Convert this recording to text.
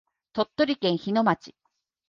鳥取県日野町